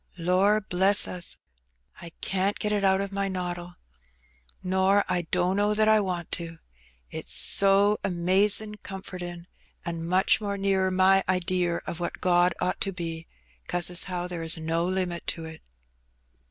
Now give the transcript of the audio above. Lor* bless us ! I can't get it out o' my noddle ; nor I dunno that I want to, it's so amazin' comfortin', and much more nearer my idear of what God ought to be, 'cause as how there is no limit to it."